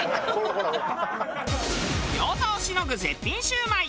餃子をしのぐ絶品シュウマイ。